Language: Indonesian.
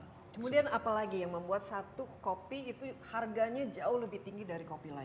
kemudian apalagi yang membuat satu kopi itu harganya jauh lebih tinggi dari kopi lain